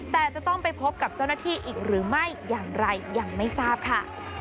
แต่จะต้องไปพบกับเจ้าหน้าที่อีกหรือไม่อย่างไรยังไม่ทราบค่ะ